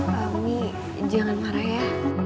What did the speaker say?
mami jangan marah ya